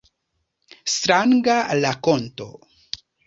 Stranga rakonto.